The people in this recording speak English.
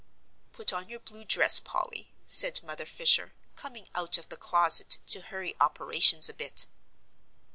"Put on your blue dress, Polly," said Mother Fisher, coming out of the closet to hurry operations a bit.